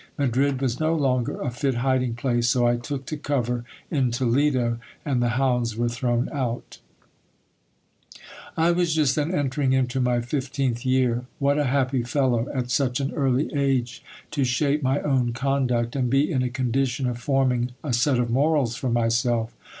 Madrid was no longer a fit hiding place, so' I took to cover in Toledo, and the hounds were thrown out I was just then entering into my fifteenth year. What a happy fellow, at such an early age, to shape my own conduct and be in a condition of forming a set of morals for myself